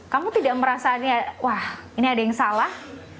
kamu tidak merasanya wah ini ada yang salah